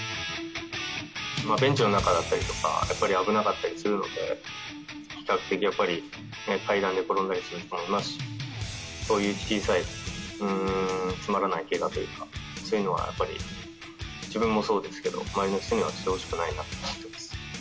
ベンチの中だったりとか、やっぱり危なかったりするので、比較的やっぱり、階段で転んだりする人もいますし、そういう小さい、つまらないけがというか、そういうのはやっぱり、自分もそうですけど、周りの人にもしてほしくないなと思います。